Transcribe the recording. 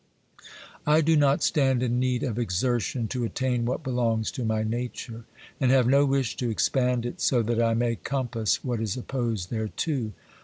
I do not stand in need of exertion to attain what belongs to my nature, and have no wish to expand it so that I may compass what is opposed thereto.